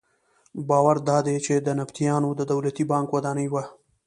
باور دادی چې دا د نبطیانو د دولتي بانک ودانۍ وه.